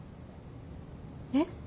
えっ？